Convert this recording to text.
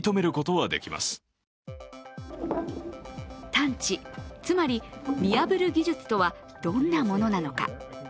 探知、つまり見破る技術とはどんなものなのか。